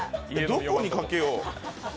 どこにかけよう。